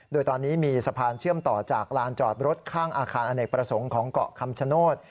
โดยตอนนี้มีสะพานเชื่อมต่อจากลานจอดรถข้างอาคารอเนกประสงค์ของเกาะคำชโนธ